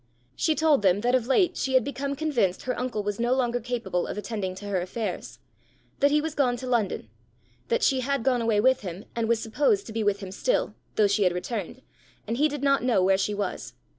She told them that of late she had become convinced her uncle was no longer capable of attending to her affairs; that he was gone to London; that she had gone away with him, and was supposed to be with him still, though she had returned, and he did not know where she was.